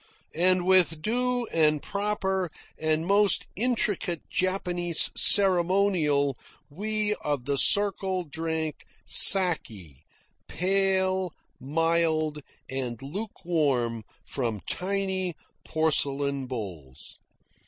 And with due and proper and most intricate Japanese ceremonial we of the circle drank saki, pale, mild, and lukewarm, from tiny porcelain bowls.